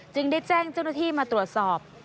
ได้แจ้งเจ้าหน้าที่มาตรวจสอบ